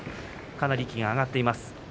かなり息が上がっています。